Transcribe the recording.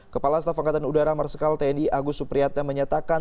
kepala staf angkatan udara marsikal tni agus supriyatna menyatakan